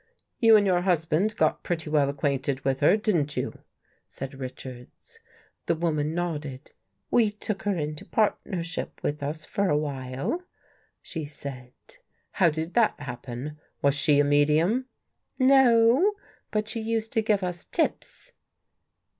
" You and your husband got pretty well ac quainted with her, didn't you?" said Richards. The woman nodded. " We took her into part nership with us for a while," she said. " How did that happen? Was she a medium? "" No, but she used to give us tips."